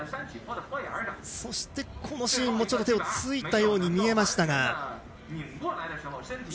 そして、このシーンも手をついたように見えましたが。